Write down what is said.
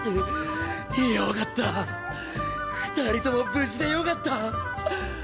よかった二人とも無事でよかった！